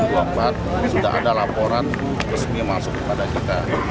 sudah ada laporan resmi yang masuk kepada kita